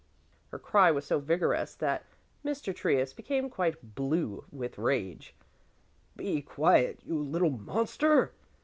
'" Her cry was so vigorous that Mr. Trius became quite blue with rage. "Be quiet, you little monster!"